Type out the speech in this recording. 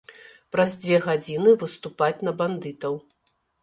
Праз дзве гадзіны выступаць на бандытаў.